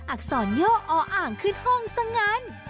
อักษรย่ออ่างขึ้นห้องซะงั้น